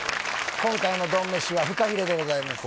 今回のドン飯はフカヒレでございます